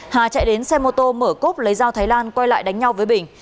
hà chạy đến xe mô tô mở cốp lấy dao thái lan quay lại đánh nhau với bình